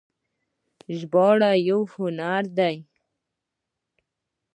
ژباړه یو هنر دی